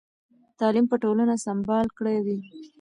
تعلیم به ټولنه سمبال کړې وي.